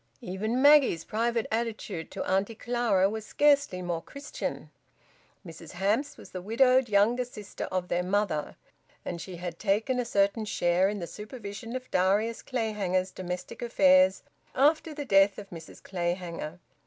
Even Maggie's private attitude to Auntie Clara was scarcely more Christian. Mrs Hamps was the widowed younger sister of their mother, and she had taken a certain share in the supervision of Darius Clayhanger's domestic affairs after the death of Mrs Clayhanger.